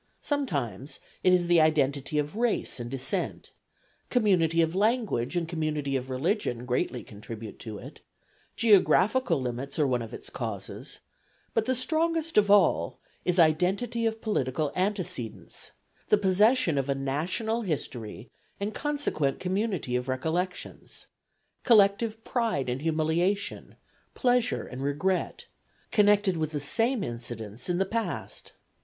Sometimes it is the identity of race and descent; community of language and community of religion greatly contribute to it; geographical limits are one of its causes; but the strongest of all is identity of political antecedents: the possession of a national history and consequent community of recollections collective pride and humiliation, pleasure and regret connected with the same incidents in the past.